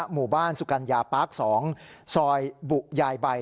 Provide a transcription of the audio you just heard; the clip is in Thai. หมู่บ้านสุกัญญาปาร์ค๒ซอยบุยายใบ